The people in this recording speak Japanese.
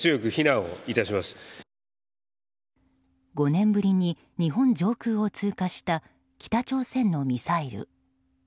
５年ぶりに日本上空を通過した北朝鮮のミサイル。